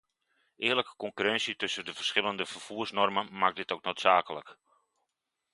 Eerlijke concurrentie tussen de verschillende vervoersvormen maakt dit ook noodzakelijk.